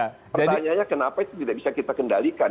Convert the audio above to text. pertanyaannya kenapa itu tidak bisa kita kendalikan